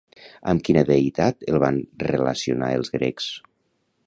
Amb quina deïtat el van relacionar els grecs?